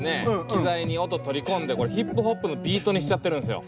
機材に音取り込んでヒップホップのビートにしちゃってるんですよ。